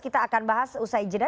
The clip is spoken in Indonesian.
kita akan bahas usai jeda